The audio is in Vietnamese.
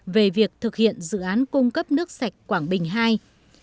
về việc thực hiện dự án cung cấp nước sạch quảng bình ii